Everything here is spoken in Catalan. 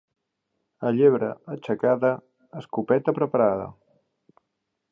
A llebre aixecada, escopeta preparada.